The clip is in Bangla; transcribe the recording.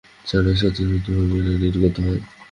ছাড়াই স্বতঃস্ফূর্ত ভাবে এরা নির্গত হয়।